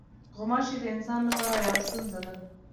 غوماشې د انسان لپاره یوه ستونزه ده.